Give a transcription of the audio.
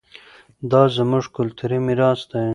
دا زموږ کلتوري ميراث دی.